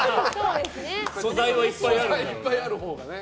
素材はいっぱいあるほうがね。